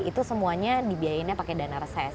itu semuanya dibiayainnya pakai dana reses